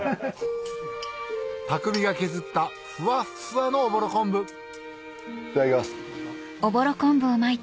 匠が削ったふわっふわのおぼろ昆布いただきます。